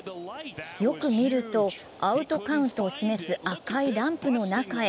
よく見ると、アウトカウントを示す赤いランプの中へ。